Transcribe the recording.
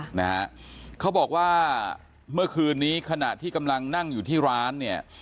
นะฮะเขาบอกว่าเมื่อคืนนี้ขณะที่กำลังนั่งอยู่ที่ร้านเนี่ย